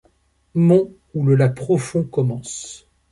Monts où le lac profond commence